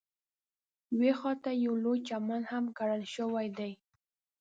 یوې خواته یې یو لوی چمن هم کرل شوی دی.